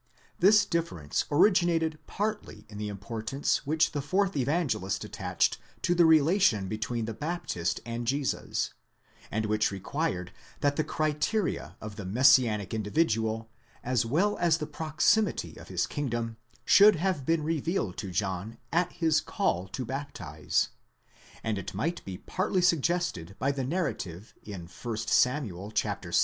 'This differ ence originated partly in the importance which the fourth Evangelist attached to the relation between the Baptist and Jesus, and which required that the criteria of the messianic individual, as well as the proximity of his kingdom, should have been revealed to John at his call to baptize; and it might be partly suggested by the narrative in 1 Sam. xvi.